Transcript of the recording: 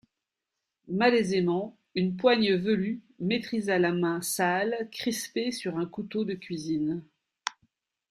Malaisément une poigne velue maîtrisa la main sale crispée sur un couteau de cuisine.